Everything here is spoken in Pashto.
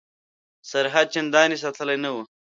سرحد چنداني ساتلی نه وو.